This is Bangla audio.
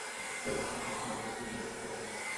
এরপর আবার আরেকটি মার্বেল তুলবেন এবং সেটির রংও লিখে রাখবেন।